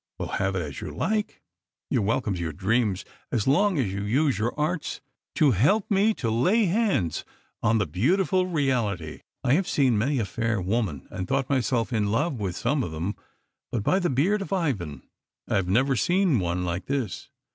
Well, have it as you like. You are welcome to your dreams as long as you use your arts to help me to lay hands on the beautiful reality. I have seen many a fair woman, and thought myself in love with some of them, but by the beard of Ivan, I have never seen one like this.